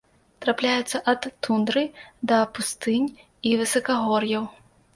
Трапляюцца ад тундры да пустынь і высакагор'яў.